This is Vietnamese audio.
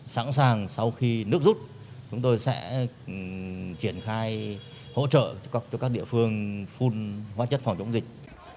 sẵn sàng sau khi nước rút chúng tôi sẽ triển khai hỗ trợ cho các địa phương phun hóa chất phòng chống dịch